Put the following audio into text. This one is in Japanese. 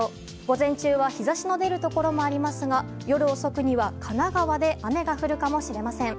午前中は日差しの出るところもありますが夜遅くには、神奈川で雨が降るかもしれません。